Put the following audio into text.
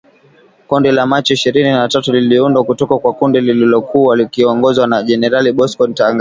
Kundi la Machi ishirini na tatu liliundwa kutoka kwa kundi lililokuwa likiongozwa na Jenerali Bosco Ntaganda